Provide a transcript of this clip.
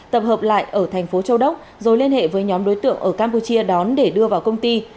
tập hợp lại ở thành phố châu đốc rồi liên hệ với nhóm đối tượng ở campuchia đón để đưa vào công ty